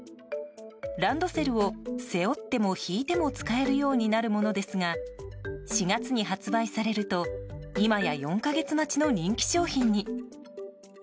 ランドセルを背負っても引いても使えるようになるものですが４月に発売されると今や、４か月待ちの人気商品に。